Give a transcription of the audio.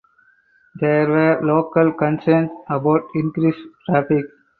There were local concerns about increased traffic.